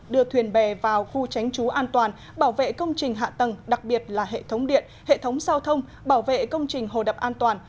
đưa thuyền bè vào khu tránh trú an toàn bảo vệ công trình hạ tầng đặc biệt là hệ thống điện hệ thống giao thông bảo vệ công trình hồ đập an toàn